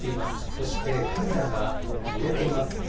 そしてカメラが揺れています。